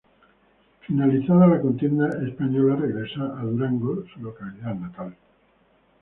Finalizada la contienda española regresa a Durango, su localidad natal.